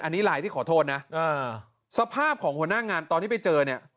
อันนี้ไลน์ที่ขอโทษนะสภาพของหัวหน้างานตอนที่ไปเจอเนี่ย